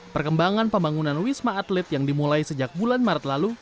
perkembangan pembangunan wisma atlet yang dimulai sejak bulan maret lalu